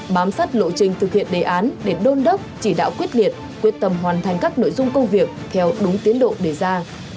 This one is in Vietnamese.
bám sát lộ trình thực hiện đề án để đôn đốc chỉ đạo quyết liệt quyết tâm hoàn thành các nội dung công việc theo đúng tiến độ đề ra